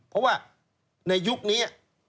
เพราะว่าในยุคนี้